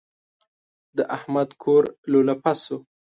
د احمد کور لولپه شو.